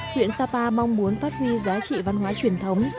huyện sapa mong muốn phát huy giá trị văn hóa truyền thống